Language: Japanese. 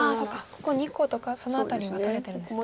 ここ２個とかそのあたりは取れてるんですね。